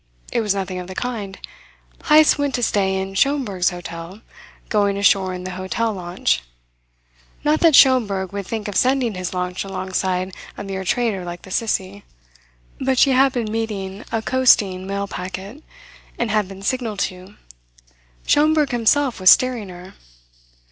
It was nothing of the kind. Heyst went to stay in Schomberg's hotel, going ashore in the hotel launch. Not that Schomberg would think of sending his launch alongside a mere trader like the Sissie. But she had been meeting a coasting mail packet, and had been signalled to. Schomberg himself was steering her.